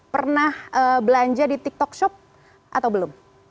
pernah belanja di tiktok shop atau belum